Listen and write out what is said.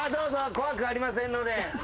怖くありませんので。